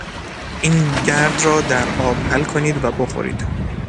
این گرد را در آب حل کنید و بخورید.